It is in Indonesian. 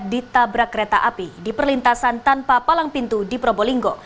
ditabrak kereta api di perlintasan tanpa palang pintu di probolinggo